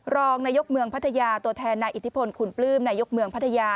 รองนายกเมืองพัทยาตัวแทนนายอิทธิพลคุณปลื้มนายกเมืองพัทยา